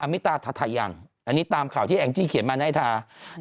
อมิตราธัยังอันนี้ตามข่าวที่แองจีเขียนมานะไอ้ทา